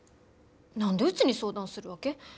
何でうちに相談するわけ？